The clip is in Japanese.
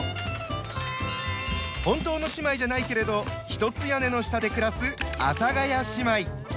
本当の姉妹じゃないけれど一つ屋根の下で暮らす「阿佐ヶ谷姉妹」。